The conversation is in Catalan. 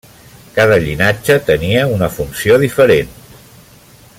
Cada llinatge tenia una funció diferent.